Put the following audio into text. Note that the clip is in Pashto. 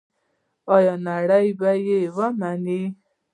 آیا نړۍ به یې ومني؟